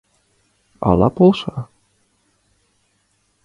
Ала полша?